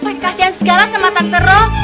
pake kasihan segala sama tante ro